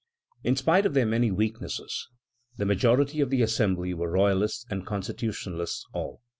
In spite of their many weaknesses, the majority of the Assembly were royalists and constitutionalists still.